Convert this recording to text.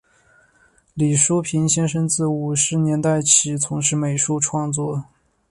李叔平先生自五十年代起从事美术创作。